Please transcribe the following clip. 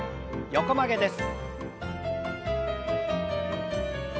横曲げです。